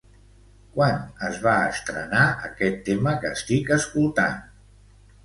Quan es va estrenar aquest tema que estic escoltant?